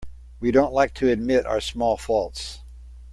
We don't like to admit our small faults.